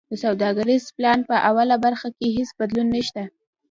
د سوداګریز پلان په اوله برخه کی هیڅ بدلون نشته.